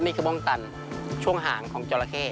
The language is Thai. นี่คือวงตันช่วงห่างของจอละเค่